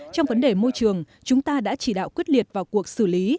trong vấn đề môi trường chúng ta đã chỉ đạo quyết liệt vào cuộc xử lý